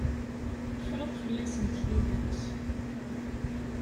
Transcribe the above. Teffreḍ fell-asent tidet.